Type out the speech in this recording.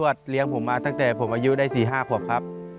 ยายชวดเลี้ยงผมมาตั้งแต่ผมอายุได้สี่ห้าครบครับ